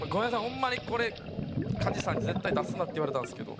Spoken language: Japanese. ホンマにこれ加地さんに「絶対出すな」って言われたんですけど。